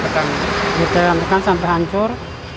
ditekan tekan sampai hancur